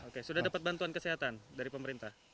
oke sudah dapat bantuan kesehatan dari pemerintah